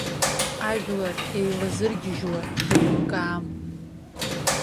Ажәлар еилазыргьежьуа деилкаам.